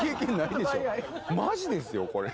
マジですよこれ。